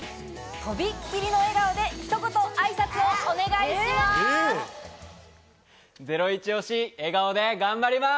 とびっきりの笑顔でひと言、あいさつをお願いします。